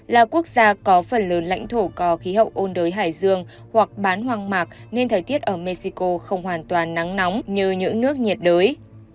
là quốc gia có phần lớn lãnh thổ có khí hậu ôn đới hải dương hoặc bán hoang mạc nên thời tiết ở mexico không hoàn toàn nắng nóng như những nước nhiệt đới